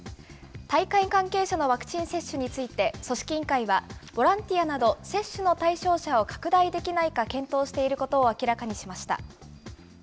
大会関係者のワクチン接種について、組織委員会は、ボランティアなど、接種の対象者を拡大できないか検討していることを明らかにしました。